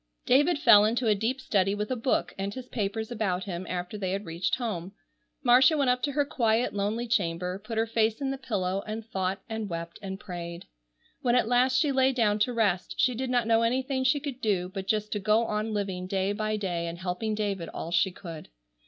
David fell into a deep study with a book and his papers about him, after they had reached home. Marcia went up to her quiet, lonely chamber, put her face in the pillow and thought and wept and prayed. When at last she lay down to rest she did not know anything she could do but just to go on living day by day and helping David all she could.